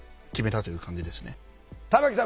玉木さん